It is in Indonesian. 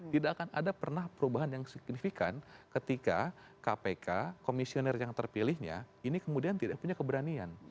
tidak akan ada pernah perubahan yang signifikan ketika kpk komisioner yang terpilihnya ini kemudian tidak punya keberanian